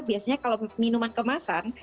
biasanya kalau minuman kemasan